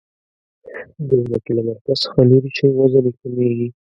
د ځمکې له مرکز څخه لیرې شئ وزن یي کمیږي.